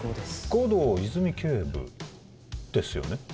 護道泉警部ですよね？